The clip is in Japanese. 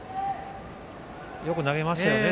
でも、よく投げましたよね。